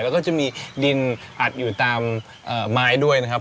แล้วก็จะมีดินอัดอยู่ตามไม้ด้วยนะครับ